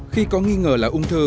khi có nghi ngờ là ông thư